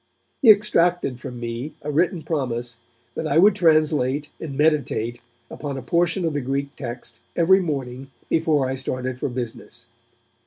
He extracted from me a written promise that I would translate and meditate upon a portion of the Greek text every morning before I started for business.